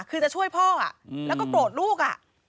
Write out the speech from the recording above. คือจะช่วยพ่อแล้วก็โกรธลูก